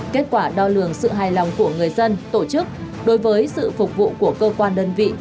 kết quả đo lường sự hài lòng của người dân tổ chức đối với sự phục vụ của cơ quan đơn vị